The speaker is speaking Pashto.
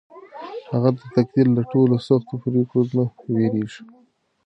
هغه د تقدیر له ټولو سختو پرېکړو نه وېرېږي.